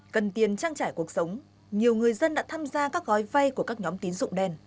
cần tiền trang trải cuộc sống nhiều người dân đã tham gia các gói vay của các nhóm tín dụng đen